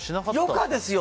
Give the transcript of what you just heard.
余暇ですよ。